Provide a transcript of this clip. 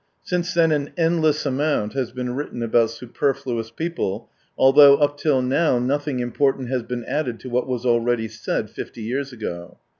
Since then an en dless amount has been written about superfluous people, although up till now nothing important has been added to what was already said fifty years ago.